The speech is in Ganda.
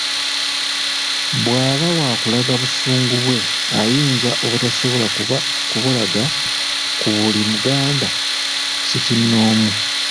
Bw'aba waakulaga busungu bwe ayinza obutasobola kubulaga ku buli Muganda ssekinnoomu